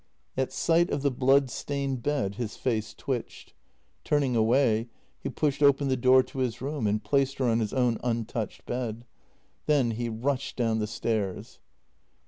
At sight of the blood stained bed his face twitched. Turning away, he pushed open the door to his room and placed her on his own untouched bed. Then he rushed down the stairs.